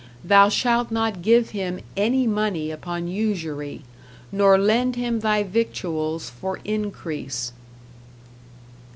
Thou shalt not give him any money upon usury, nor lend him thy victuals for increase.